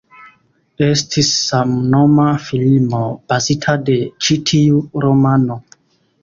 Estis samnoma filmo bazita de ĉi tiu romano.